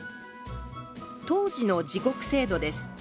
当時の時刻制度です。